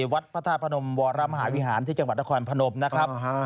วัดพระธาตุพนมวรมหาวิหารที่จังหวัดนครพนมนะครับ